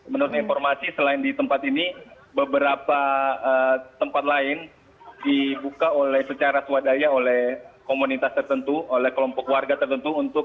menurut informasi selain di tempat ini beberapa tempat lain dibuka secara swadaya oleh komunitas tertentu oleh kelompok warga tertentu